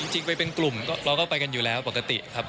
จริงไปเป็นกลุ่มเราก็ไปกันอยู่แล้วปกติครับ